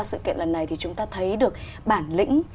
sự kiện lần này thì chúng ta thấy được bản lĩnh